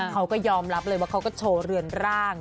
เขาก็ยอมรับเลยว่าเขาก็โชว์เรือนร่าง